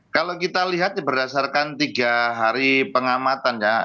kalau kita lihat berdasarkan tiga hari pengamatan ya